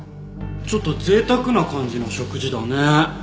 ちょっと贅沢な感じの食事だね。